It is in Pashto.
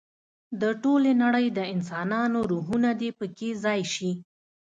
د ټولې نړۍ د انسانانو روحونه دې په کې ځای شي.